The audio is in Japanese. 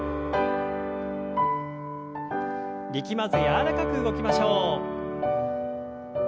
力まず柔らかく動きましょう。